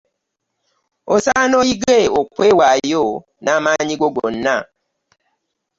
Osaana oyige okwewaayo n'amaanyi go gonna.